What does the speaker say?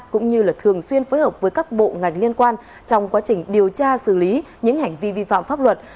cũng như thường xuyên phối hợp với các bộ ngành liên quan trong quá trình điều tra xử lý những hành vi vi phạm pháp luật